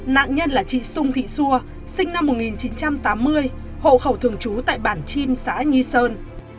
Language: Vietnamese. nạn nhân là chị sùng thị xua sinh năm một nghìn chín trăm tám mươi hộ khẩu thường trú tại bản chim xã nhi sơn